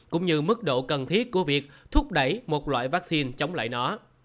cũng như mức độ cần thiết của việc thúc đẩy một loại vaccine chống lại nó